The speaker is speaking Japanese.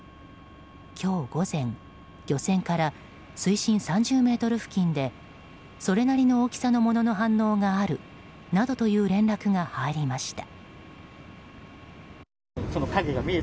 今日午前、漁船から水深３０ｍ付近でそれなりの大きさのものの反応があるなどという連絡が入りました。